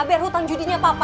biar hutang judinya papa